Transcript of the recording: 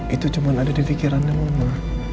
itu cuman ada di fikirannya mama